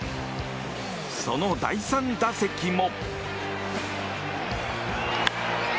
その第３打席も。